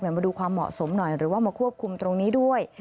มาดูความเหมาะสมหน่อยหรือว่ามาควบคุมตรงนี้ด้วย